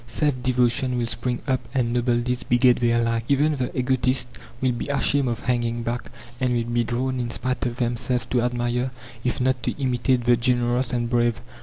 Self devotion will spring up, and noble deeds beget their like; even the egotists will be ashamed of hanging back, and will be drawn in spite of themselves to admire, if not to imitate, the generous and brave.